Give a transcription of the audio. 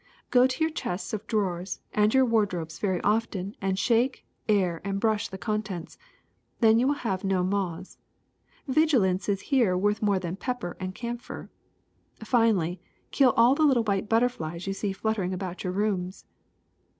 Go to your chests of drawers and your wardrobes very often and shake, air, and brush the contents ; then you will have no moths. Vigilance is here worth more than pepper and camphor. Fi nally, kill all the little white butterflies you see flut tering about your rooms."